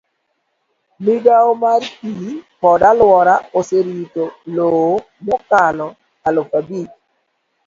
migawo mar pi kod alwora oserito lowo mokalo aluf abich.